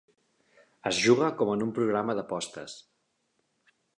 Es juga com en un programa d'apostes.